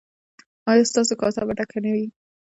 ایا ستاسو کاسه به ډکه نه وي؟